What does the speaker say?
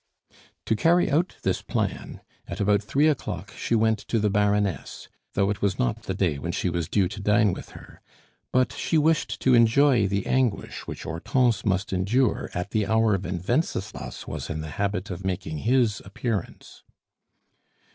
To carry out this plan, at about three o'clock she went to the Baroness, though it was not the day when she was due to dine with her; but she wished to enjoy the anguish which Hortense must endure at the hour when Wenceslas was in the habit of making his appearance.